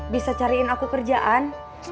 bisa cariin aku kerjaan